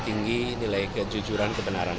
tinggi nilai kejujuran kebenaran